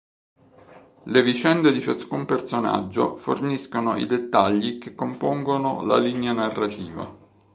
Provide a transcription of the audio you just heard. Le vicende di ciascun personaggio forniscono i dettagli che compongono la linea narrativa.